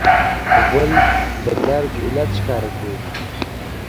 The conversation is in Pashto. غول د درد علت ښکاره کوي.